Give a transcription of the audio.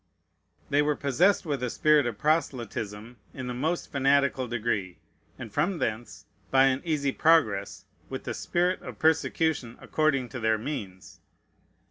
They were possessed with a spirit of proselytism in the most fanatical degree, and from thence, by an easy progress, with the spirit of persecution according to their means.